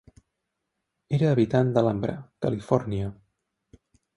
Era habitant d'Alhambra, Califòrnia.